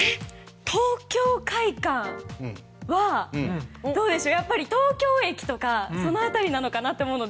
東京会館はやっぱり東京駅とかその辺りなのかなと思うので。